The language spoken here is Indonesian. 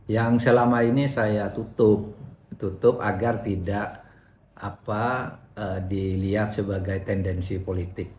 yang selama ini saya tutup tutup agar tidak dilihat sebagai tendensi politik